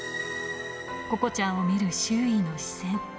ここちゃんを見る周囲の視線。